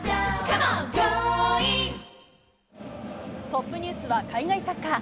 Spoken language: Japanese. トップニュースは海外サッカー。